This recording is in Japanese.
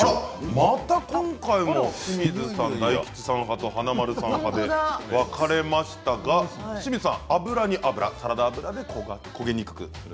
また今回も清水さん、大吉さん華丸さんで分かれましたが清水さんはサラダ油で焦げにくくする。